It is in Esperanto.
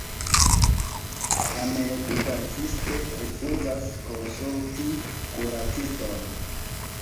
Tamen li persiste rifuzas konsulti kuraciston.